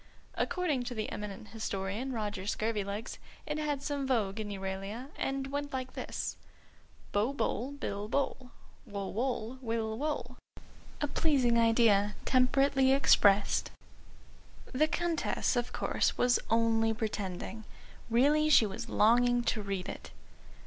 According to the eminent historian, Roger Scurvilegs, it had some vogue in Euralia and went like this: "Bo, boll, bill, bole. Wo, woll, will, wole." A pleasing idea, temperately expressed. The Countess, of course, was only pretending. Really she was longing to read it.